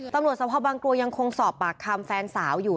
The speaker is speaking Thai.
ตำรวจสภาพบางกลัวยังคงสอบปากคำแฟนสาวอยู่